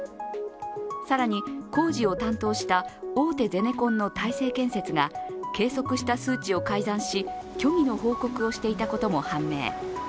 更に、工事を担当した大手ゼネコンの大成建設が計測した数値を改ざんし虚偽の報告をしていたことも判明。